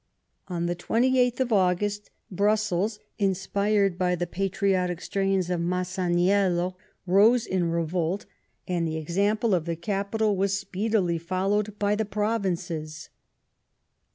On the 28th of August, Brussels, inspired by the patriotic strains of Massaniello, rose in revolt, and the example of the capital was speedily followed by the provinces.